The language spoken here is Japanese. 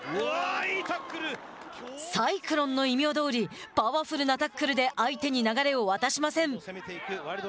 サイクロンの異名どおりパワフルなタックルで相手に流れを渡しません。